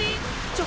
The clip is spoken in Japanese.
ちょ！